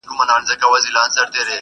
ما له کيسې ژور اغېز واخيست,